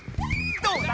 どうだ